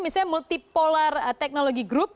misalnya multipolar teknologi grup